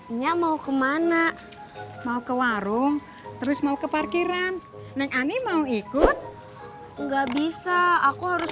enggak mau kemana mau ke warung terus mau ke parkiran neng ani mau ikut nggak bisa aku harus